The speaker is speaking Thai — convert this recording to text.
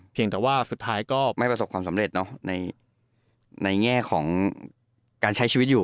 แต่ว่าสุดท้ายก็ไม่ประสบความสำเร็จในแง่ของการใช้ชีวิตอยู่